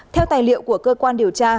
theo tài liệu của cơ quan điều tra